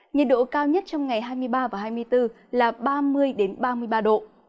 nhiệt độ cao nhất trong ngày hai mươi ba và hai mươi bốn là ba mươi ba mươi ba độ